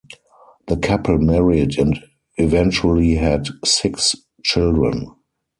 The couple married and eventually had six children.